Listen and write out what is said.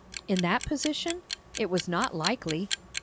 In that position? It was not likely!